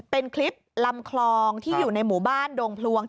เป็นคลิปลำคลองที่อยู่ในหมู่บ้านดงพลวง